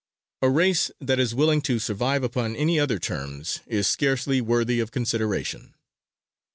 A race that is willing to survive upon any other terms is scarcely worthy of consideration.